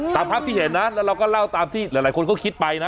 ตามภาพที่เห็นนะแล้วเราก็เล่าตามที่หลายคนก็คิดไปนะ